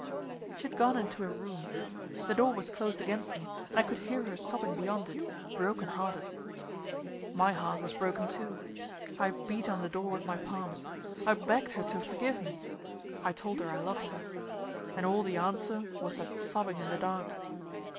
She had gone into her room. The door was closed against me and I could hear her sobbing beyond it, broken hearted. My heart was broken too. I beat on the door with my palms. I begged her to forgive me. I told her I loved her. And all the answer was that sobbing in the dark.